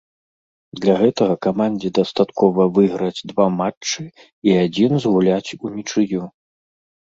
Для гэтага камандзе дастаткова выйграць два матчы і адзін згуляць унічыю.